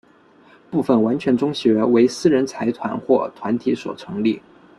部分完全中学为私人财团或团体所成立。